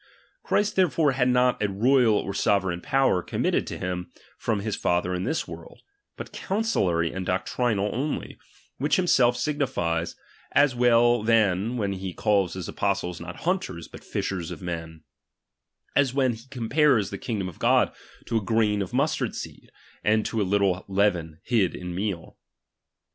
Christ therefore had not a royal or sovereign power committed to him from his Father in this world, but couucillary and doctrinal only ; which himself signifies, as well then when he calls his apostles not hunters, but 6shers of men ; as when he compares the kingdom of God to a grain of mustard seed, and to a little leaven hid in meal.